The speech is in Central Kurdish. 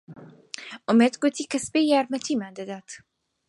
ئومێد گوتی کە سبەی یارمەتیمان دەدات.